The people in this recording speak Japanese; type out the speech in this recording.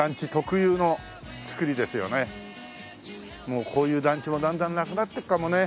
もうこういう団地もだんだんなくなってるかもね。